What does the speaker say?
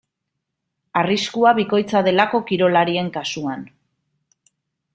Arriskua bikoitza delako kirolarien kasuan.